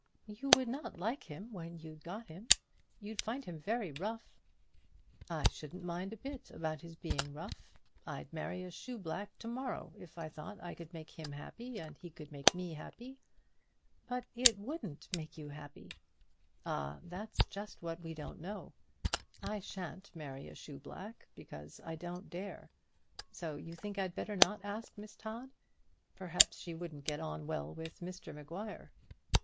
"You would not like him when you'd got him; you'd find him very rough." "I shouldn't mind a bit about his being rough. I'd marry a shoe black to morrow if I thought I could make him happy, and he could make me happy." "But it wouldn't make you happy." "Ah! that's just what we don't know. I shan't marry a shoe black, because I don't dare. So you think I'd better not ask Miss Todd. Perhaps she wouldn't get on well with Mr Maguire."